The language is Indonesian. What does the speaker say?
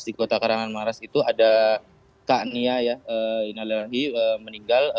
di kota kahraman maras itu ada kak nia inalahi meninggal